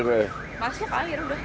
masuk air udah semua